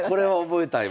覚えたい。